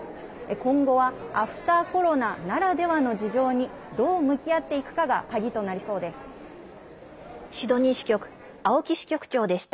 今後はアフターコロナならではの事情にどう向き合っていくかが鍵となりそうです。